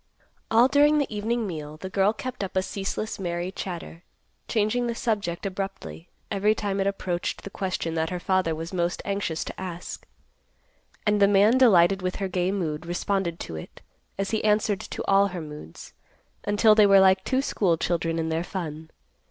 All during the evening meal, the girl kept up a ceaseless merry chatter, changing the subject abruptly every time it approached the question that her father was most anxious to ask. And the man delighted with her gay mood responded to it, as he answered to all her moods, until they were like two school children in their fun.